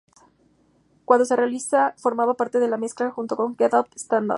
Cuando se realiza formaba parte de una mezcla junto con "Get Up, Stand Up".